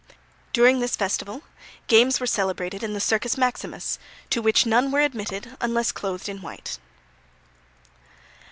During this festival, games were celebrated in the Circus Maximus, to which none were admitted unless clothed in white.